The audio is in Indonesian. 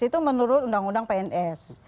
itu menurut undang undang pns